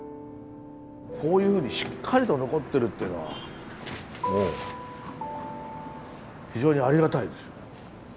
こういうふうにしっかりと残ってるっていうのはもう非常にありがたいです。